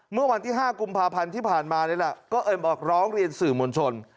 เมื่อวันที่๕กุมภาพันธ์ที่ผ่านมานี่แหละก็เอิญบอกร้องเรียนสื่อมวลชน